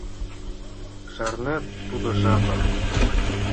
Шарнет тудо жапым